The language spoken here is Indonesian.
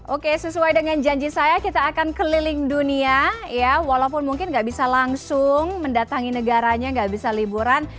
oke sesuai dengan janji saya kita akan keliling dunia ya walaupun mungkin nggak bisa langsung mendatangi negaranya nggak bisa liburan